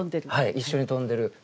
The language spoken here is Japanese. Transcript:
一緒に飛んでる？